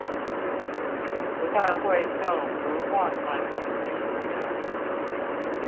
不但會受文化傳統的影響